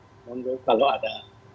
menunggu kalau ada